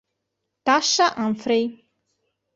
Tasha Humphrey